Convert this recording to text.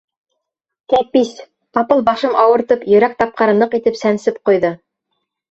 Кәпис, ҡапыл башым ауыртып, йөрәк тапҡыры ныҡ итеп сәнсеп ҡуйҙы.